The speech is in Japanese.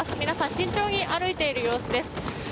皆さん慎重に歩いている様子です。